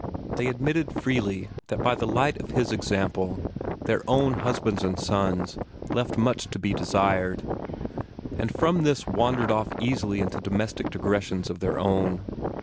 They admitted freely that, by the light of his example, their own husbands and sons left much to be desired, and from this wandered easily off into domestic digressions of their own.